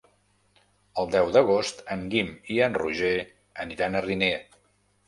El deu d'agost en Guim i en Roger aniran a Riner.